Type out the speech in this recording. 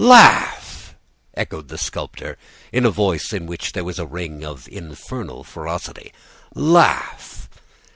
"'Laugh!' echoed the sculptor, in a voice in which there was a ring of infernal ferocity. 'Laugh!